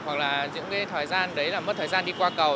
hoặc là những cái thời gian đấy là mất thời gian đi qua cầu